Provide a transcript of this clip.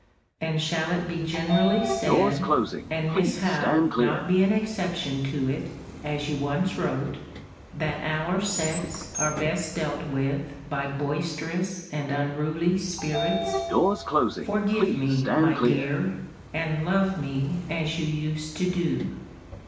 And shall it be generally said, and Miss Howe not be an exception to it (as you once wrote), that our sex are best dealt with by boisterous and unruly spirits?* * See Vol.II. Letter III. Forgive me, my dear, and love me as you used to do.